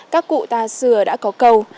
các cụ ta xưa đã có câu